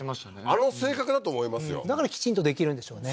あの性格だと思いますよだからきちんとできるんでしょうね